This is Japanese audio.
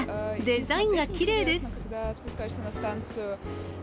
デザインがきれいです。